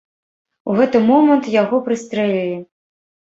У гэты момант яго прыстрэлілі.